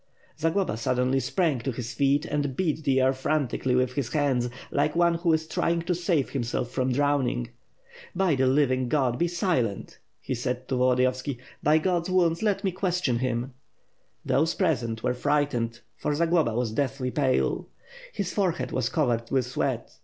Zagloba suddenly sprang to his feet, and beat the air fran tically with his hands; like one who is trying to save himself from drowning. "By the Living God, be silent!^ 'he said to Volodiyovski. "By God's wounds, let me question him!" Those present were frightened, for Zagloba was deathly pale. His forehead was covered with sweat.